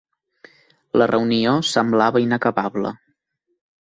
La reunió semblava inacabable.